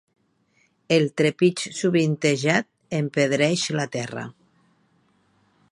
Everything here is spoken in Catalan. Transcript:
El trepig sovintejat empedreeix la terra.